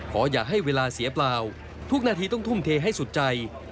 อย่าให้เวลาเสียเปล่าทุกนาทีต้องทุ่มเทให้สุดใจ